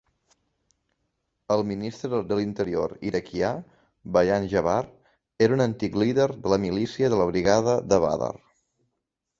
El ministre de l'interior iraquià, Bayan Jabr, era un antic líder de la milícia de la Brigada de Badr.